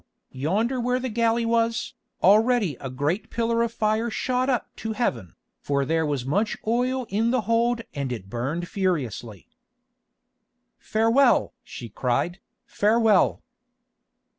yonder where the galley was, already a great pillar of fire shot up to heaven, for there was much oil in the hold and it burnt furiously. "Farewell!" she cried, "farewell!"